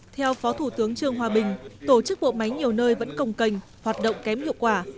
theo phó thủ tướng trương hòa bình tổ chức bộ máy nhiều nơi vẫn còng cành hoạt động kém hiệu quả